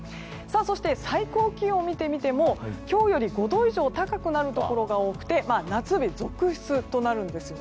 そして、最高気温を見てみても今日より５度以上高くなるところが多くて夏日続出となるんです。